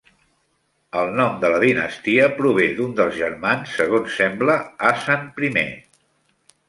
El nom de la dinastia prové d'un dels germans, segons sembla Asen I.